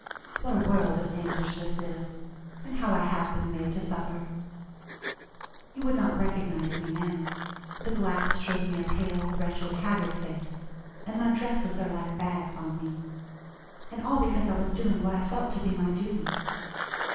What a world of anguish this is and how I have been made to suffer! You would not recognize me now. The glass shows me a pale, wretched, haggard face, and my dresses are like bags on me. And all because I was doing what I felt to be my duty.